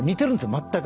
全く。